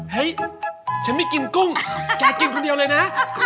เฮ้ยฉันไม่กินกุ้งแกกินคนเดียวเลยนะ